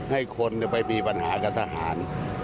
ให้คนไปมีปัญหากับทหาร